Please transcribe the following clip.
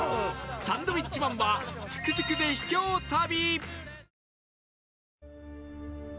サンドウィッチマンはトゥクトゥクで秘境旅